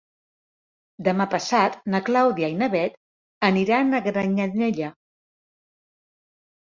Demà passat na Clàudia i na Bet aniran a Granyanella.